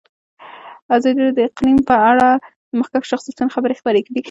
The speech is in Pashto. ازادي راډیو د اقلیم په اړه د مخکښو شخصیتونو خبرې خپرې کړي.